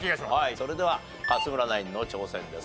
それでは勝村ナインの挑戦です。